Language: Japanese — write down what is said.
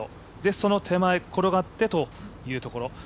その手前、転がってというところ。